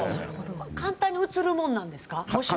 簡単にうつるものなんですか？